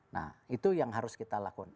nah itu yang harus kita lakukan